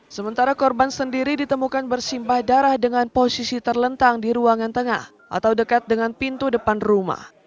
sementara korban sendiri ditemukan bersimpah darah dengan posisi terlentang di ruangan tengah atau dekat dengan pintu depan rumah